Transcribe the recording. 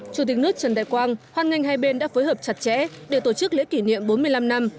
chủ tịch nước trần đại quang hoan nghênh hai bên đã phối hợp chặt chẽ để tổ chức lễ kỷ niệm bốn mươi năm năm